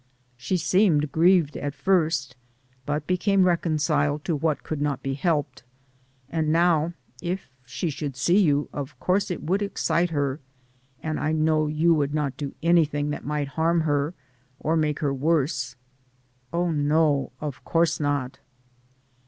She seemed grieved at first, but be came reconciled to what could not be helped, and now, if she should see you of course it would excite her, and I know you would not do anything that might harm her, or make her worse." "Oh, no; of course not."